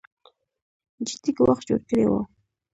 جدي ګواښ جوړ کړی و